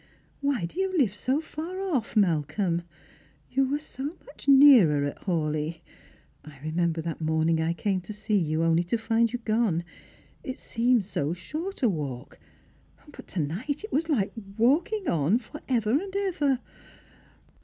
Why do you live so far off, Malcolm ? you were so much nearer at Hawleigh. I remember that morning I came to see you, only to find you gone — it seemed so short a walk ; but to night it was like walking on for ever and ever."